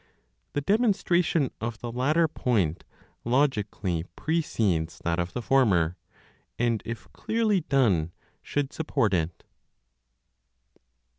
The demonstration of the latter point logically precedes that of the former; and if clearly done, should support it.